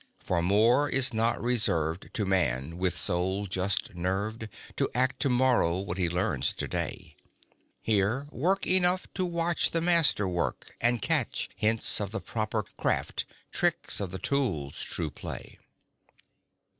For more is not reserved To man, with soul just nerved To act to morrow what he learns to day: Here, work enough to watch The Master work, and catch Hints of the proper craft, tricks of the tool's true play.